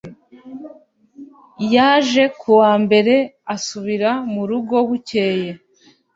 yaje ku wa mbere asubira mu rugo bukeye